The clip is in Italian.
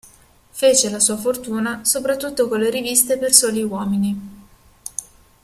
Fece la sua fortuna soprattutto con le riviste per soli uomini.